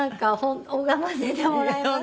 拝ませてもらいます。